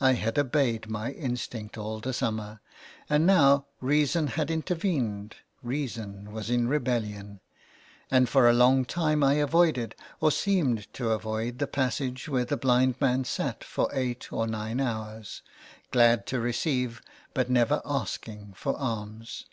I had obeyed my instinct all the summer, and now reason had intervened, reason was in rebellion, and for a long time I avoided, or seemed to avoid, the passage where the blind man sat for eight or nine hours, glad to receive, but never asking for alms.